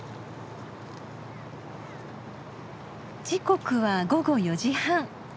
時刻は午後４時半。